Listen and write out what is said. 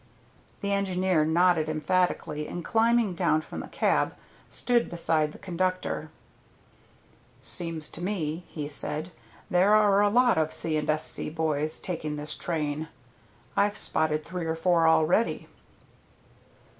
The engineer nodded emphatically, and climbing down from the cab, stood beside the conductor. "Seems to me," he said, "there are a lot of C. & S.C. boys taking this train. I've spotted three or four already."